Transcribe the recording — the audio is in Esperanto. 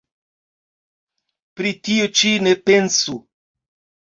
Pri tio ĉi ne pensu!